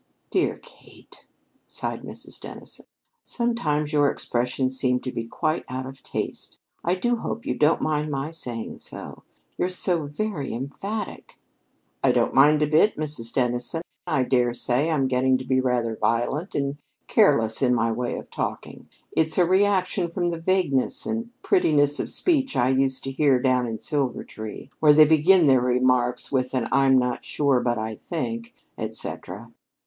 "Dear Kate," sighed Mrs. Dennison, "sometimes your expressions seem to me quite out of taste. I do hope you won't mind my saying so. You're so very emphatic." "I don't mind a bit, Mrs. Dennison. I dare say I am getting to be rather violent and careless in my way of talking. It's a reaction from the vagueness and prettiness of speech I used to hear down in Silvertree, where they begin their remarks with an 'I'm not sure, but I think,' et cetera.